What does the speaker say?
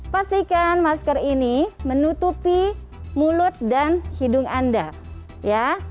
pastikan masker ini menutupi mulut dan hidung anda ya